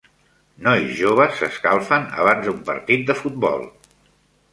Nois joves s'escalfen abans d'un partit de futbol.